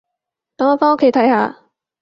等我返屋企睇下